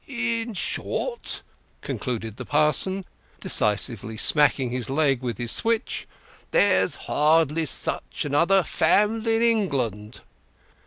"In short," concluded the parson, decisively smacking his leg with his switch, "there's hardly such another family in England."